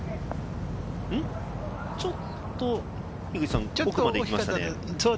ちょっと奥まで行きました。